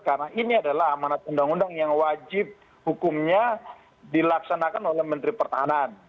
karena ini adalah amanat undang undang yang wajib hukumnya dilaksanakan oleh menteri pertahanan